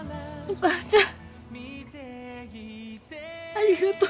お母ちゃん！